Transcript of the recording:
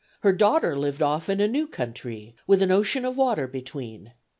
Her daughter lived off in a new countrie With an ocean of water between.